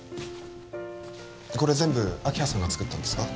これ全部明葉さんが作ったんですか？